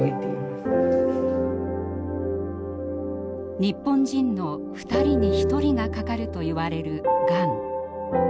日本人の２人に１人がかかるといわれるがん。